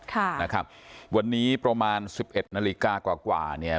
ค่ะนะครับวันนี้ประมาณสิบเอ็ดนาฬิกากว่ากว่าเนี่ย